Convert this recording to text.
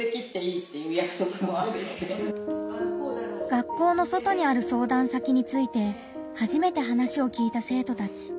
学校の外にある相談先についてはじめて話を聞いた生徒たち。